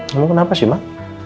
kamu kenapa sih mak